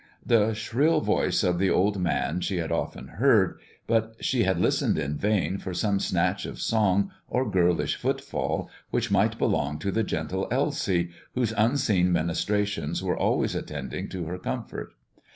The shrill voice of the old man she had often heard, but she had listened in vain for some snatch of song or girlish footfall which might belong to the gentle "Elsie" whose unseen ministrations were always attending to her comfort.